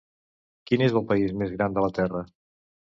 Quin és el país més gran de la Terra?